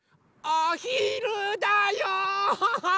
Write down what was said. おひるだよ！